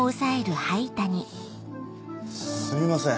すみません